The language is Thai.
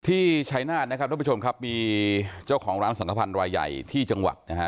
ชายนาฏนะครับทุกผู้ชมครับมีเจ้าของร้านสังขพันธ์รายใหญ่ที่จังหวัดนะฮะ